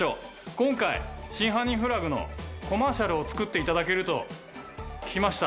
今回『真犯人フラグ』のコマーシャルを作っていただけると聞きました。